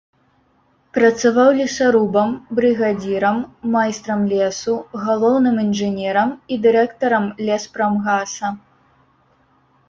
Працаваў лесарубам, брыгадзірам, майстрам лесу, галоўным інжынерам і дырэктарам леспрамгаса.